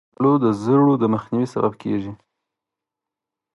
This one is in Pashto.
زردالو د زړو د مخنیوي سبب کېږي.